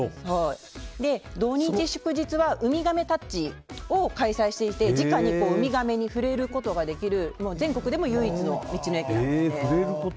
土日祝日はウミガメタッチを開催していてじかにウミガメに触れることができる全国でも唯一の道の駅なので。